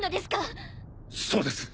そうです！